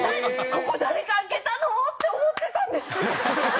ここ誰か空けたの？って思ってたんですよ。